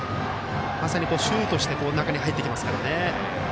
まさにシュートして中に、入ってきますからね。